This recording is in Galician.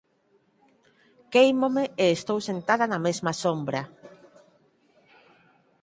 Quéimome e estou sentada na mesma sombra.